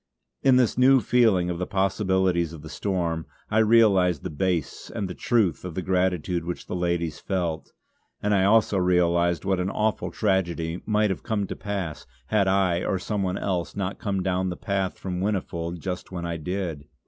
In this new feeling of the possibilities of the storm, I realised the base and the truth of the gratitude which the ladies felt; and I also realised what an awful tragedy might have come to pass had I or some one else not come down the path from Whinnyfold just when I did.